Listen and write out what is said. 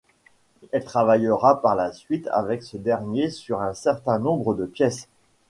Elle travaillera par la suite avec ce dernier sur un certain nombre de pièces.